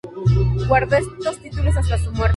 Guardó estos títulos hasta su muerte.